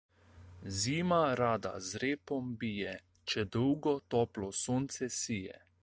Zima rada z repom bije, če dolgo toplo sonce sije.